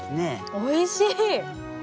おいしい！